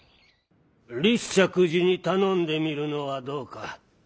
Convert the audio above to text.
立石寺に頼んでみるのはどうか。